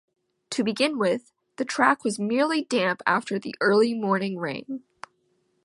To begin with the track was merely damp after the early morning rain.